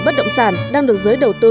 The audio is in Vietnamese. bất động sản đang được giới đầu tư